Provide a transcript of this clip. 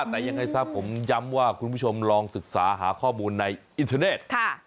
แต่ยังไงซะผมย้ำว่าคุณผู้ชมลองศึกษาหาข้อมูลในอินเทอร์เน็ต